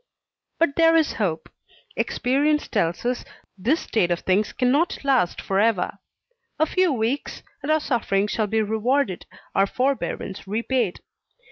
But there is hope. Experience tells us, this state of things cannot last for ever. A few weeks, and our sufferings shall be rewarded, our forbearance repaid.